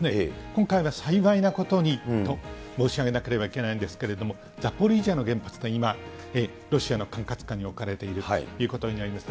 今回は幸いなことにと申し上げなければいけないんですけれども、ザポリージャの原発って今、ロシアの管轄下に置かれているということになります。